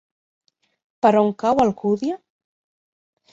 Per on cau Alcúdia?